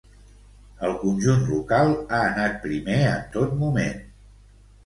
El conjunt local ha anat primer en tot moment.